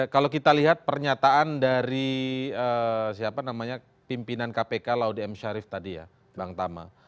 kalau kita lihat pernyataan dari siapa namanya pimpinan kpk laude m syarif tadi ya bang tama